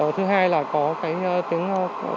thứ hai là có cái tiếng